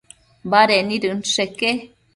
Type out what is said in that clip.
Baded nid inchësheque